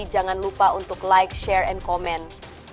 jangan lupa untuk like share dan komen